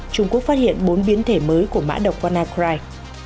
trung quốc phát hiện bốn biến thể mới của mã độc panacry